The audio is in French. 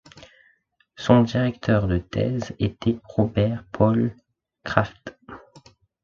Son directeur de thèse était Robert Paul Kraft.